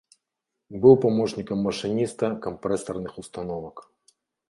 Быў памочнікам машыніста кампрэсарных установак.